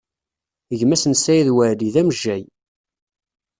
Gma-s n Saɛid Waɛli, d amejjay.